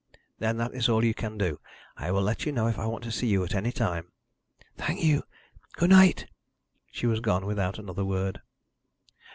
"Then that is all you can do. I will let you know if I want to see you at any time." "Thank you. Good night!" She was gone without another word.